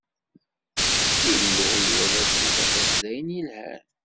Illu iwala belli tafat d ayen yelhan.